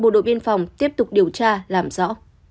bộ đội biên phòng tiếp tục điều tra làm rõ